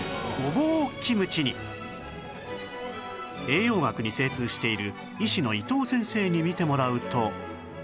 栄養学に精通している医師の伊藤先生に見てもらうと